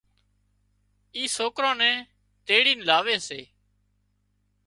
اي سوڪران نين تيڙين لاوي سي۔